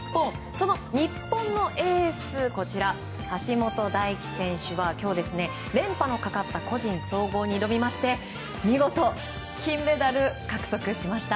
その日本のエース橋本大輝選手は今日、連覇のかかった個人総合に挑みまして見事、金メダル獲得しました。